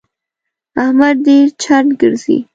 احمد ډېر چټ ګرځي.